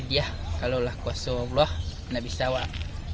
dia kalau lah kuasa wabah nabi afterlife